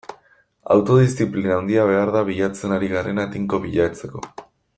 Autodiziplina handia behar da bilatzen ari garena tinko bilatzeko.